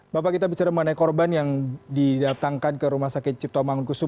bapak kita bicara mengenai korban yang didatangkan ke rumah sakit cipto mangunkusu